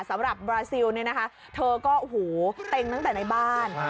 สำหรับบราซิลเนี่ยนะคะเธอก็โอ้โหเต็งตั้งแต่ในบ้าน